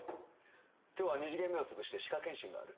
今日は２時限目を潰して歯科検診がある。